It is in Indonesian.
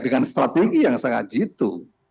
dengan strategi yang sangat jitu